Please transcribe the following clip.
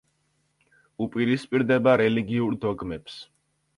უპირისპირდება რელიგიურ დოგმებს.